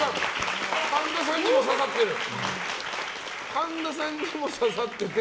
神田さんにも刺さってる！